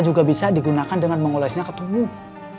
dan juga bisa digunakan dengan mengolesnya ke tubuh